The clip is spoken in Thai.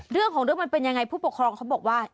เรื่องของเรื่องมันเป็นยังไงผู้ปกครองเขาบอกว่า